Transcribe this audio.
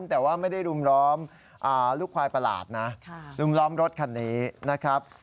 แต่ว่าไม่ได้รุมล้อมลูกควายประหลาดนะรุมล้อมรถคันนี้นะครับ